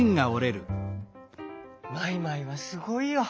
マイマイはすごいよ。